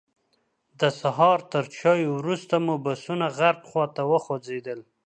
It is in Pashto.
د سهار تر چایو وروسته مو بسونه غرب خواته وخوځېدل.